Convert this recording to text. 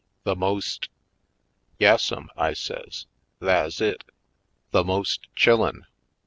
"The most ?" "Yassum," I says, "tha's it — the most chillen.